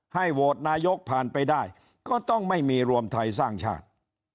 โหวตนายกผ่านไปได้ก็ต้องไม่มีรวมไทยสร้างชาติ